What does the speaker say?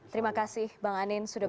terima kasih bang anin sudah